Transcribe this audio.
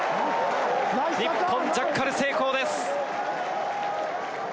日本、ジャッカル成功です。